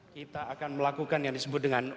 kita akan melakukan yang disebut dengan